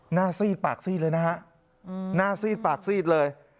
ซีดปากซีดเลยนะฮะหน้าซีดปากซีดเลย